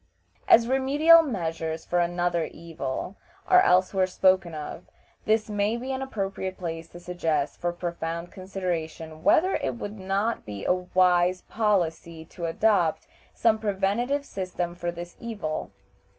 As remedial measures for another evil are elsewhere spoken of, this may be an appropriate place to suggest for profound consideration whether it would not be a wise policy to adopt some preventive system for this evil.